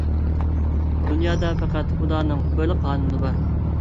دۇنيادا پەقەت خۇدانىڭ بىرلا قانۇنى بار.